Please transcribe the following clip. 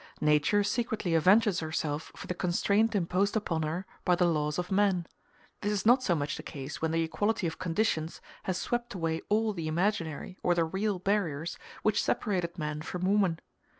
Nature secretly avenges herself for the constraint imposed upon her by the laws of man. This is not so much the case when the equality of conditions has swept away all the imaginary, or the real, barriers which separated man from woman.